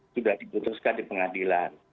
sudah dibutuhkan di pengadilan